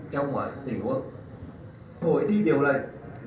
trong tình huống hội thi điều lệnh